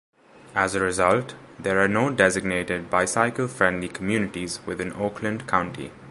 As a result, there are no designated Bicycle Friendly Communities within Oakland County.